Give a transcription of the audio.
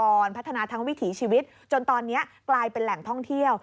พัฒนาทั้งวิถีชีวิตจนตอนนี้กลายเป็นแหล่งท่องเที่ยว